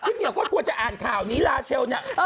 พี่เมียวก็กลัวจะอ่านข่าวนี้ลาเชลน่ะ